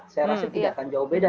saya rasa tidak akan jauh beda